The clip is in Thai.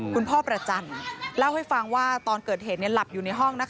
พ่อประจันทร์เล่าให้ฟังว่าตอนเกิดเหตุหลับอยู่ในห้อง